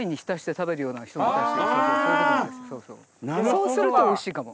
そうするとおいしいかも。